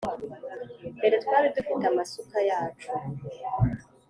mbere twari dufite amasuka yacu,